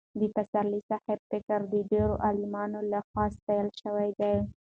د پسرلي صاحب فکر د ډېرو عالمانو له خوا ستایل شوی دی.